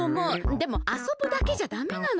でもあそぶだけじゃダメなの。